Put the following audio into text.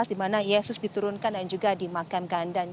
dimana yesus diturunkan dan juga dimakan gandan